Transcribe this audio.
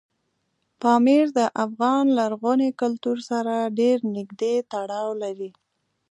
پامیر د افغان لرغوني کلتور سره ډېر نږدې تړاو لري.